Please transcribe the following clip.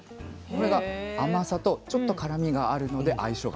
これが甘さとちょっと辛みがあるので相性が抜群。